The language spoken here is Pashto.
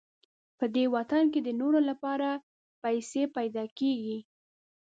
په دې وطن کې د نورو لپاره پیسې پیدا کېږي.